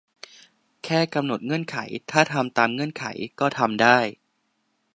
แค่กำหนดเงื่อนไข ถ้าทำตามเงื่อนไขก็ทำได้